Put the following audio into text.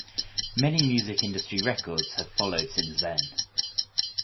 Many music industry records have followed since then.